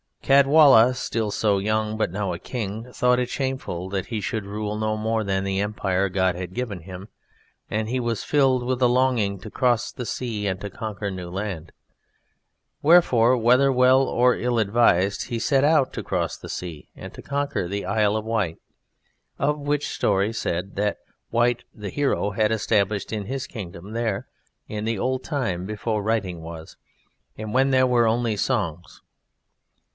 Caedwalla, still so young but now a king, thought it shameful that he should rule no more than the empire God had given him, and he was filled with a longing to cross the sea and to conquer new land. Wherefore, whether well or ill advised, he set out to cross the sea and to conquer the Isle of Wight, of which story said that Wight the hero had established his kingdom there in the old time before writing was, and when there were only songs.